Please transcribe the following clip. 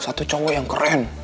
satu cowok yang keren